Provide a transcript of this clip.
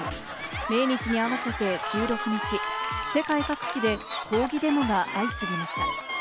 命日に合わせて１６日、世界各地で抗議デモが相次ぎました。